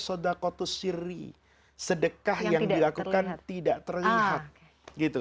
sedekah yang dilakukan tidak terlihat gitu